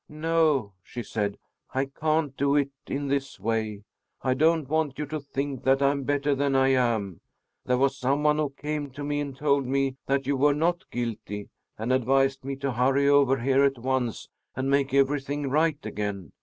"No!" she said, "I can't do it in this way. I don't want you to think that I'm better than I am. There was some one who came to me and told me that you were not guilty and advised me to hurry over here at once and make everything right again.